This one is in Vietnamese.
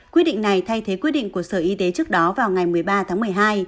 quyết định này thay thế quyết định của sở y tế trước đó vào ngày một mươi ba tháng một mươi hai